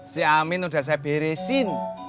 si amin udah saya beresin